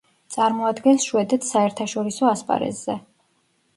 წარმოადგენს შვედეთს საერთაშორისო ასპარეზზე.